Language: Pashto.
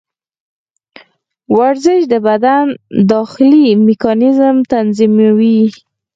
ورزش د بدن داخلي میکانیزم تنظیموي.